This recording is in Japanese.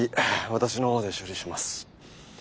私の方で処理します。